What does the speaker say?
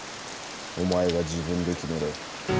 お前が自分で決めろ。